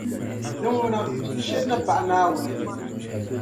Din ŋuna, ti shiri ni paɣi Naawuni